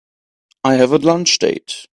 I have a lunch date.